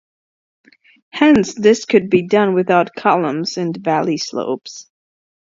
Hence this could be done without columns in the valley slopes.